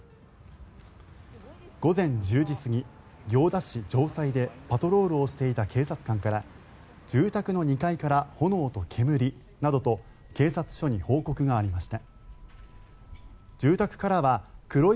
午前１０時過ぎ、行田市城西でパトロールをしていた警察官から住宅の２階から炎と煙などと警察署に報告がありました。